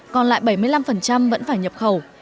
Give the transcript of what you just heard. còn lại bảy mươi năm vẫn phải nhập khẩu